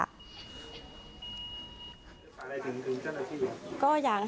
จะฝากอะไรถึงเจ้าหน้าที่อย่างนี้